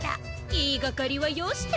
いいがかりはよして。